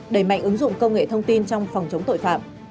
đẩy mạnh ứng dụng công nghệ thông tin trong phòng chống tội phạm